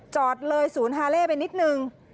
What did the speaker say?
จอดเลยศูนย์ฮาเล่ไปนิดนึง